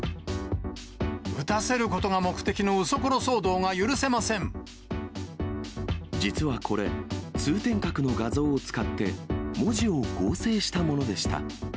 射たせることが目的の嘘コロ実はこれ、通天閣の画像を使って、文字を合成したものでした。